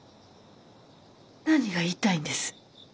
何が言いたいんです？